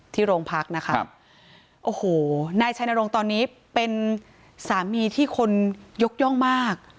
โรงพักนะครับโอ้โหนายชัยนรงค์ตอนนี้เป็นสามีที่คนยกย่องมาก